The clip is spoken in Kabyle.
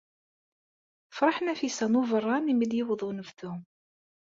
Tefṛeḥ Nafisa n Ubeṛṛan i mi d-yewweḍ unebdu.